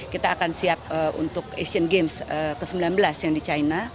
kita akan siap untuk asian games ke sembilan belas yang di china